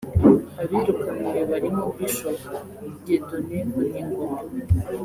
Abirukanwe barimo Bishop Dieudone Vuningoma